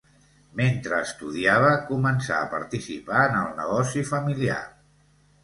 Mentre estudiava, començà a participar en el negoci familiar.